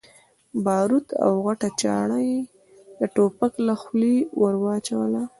باروت او غټه چره يې د ټوپک له خولې ور واچوله.